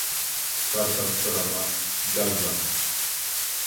Czwarta sprawa - Gaza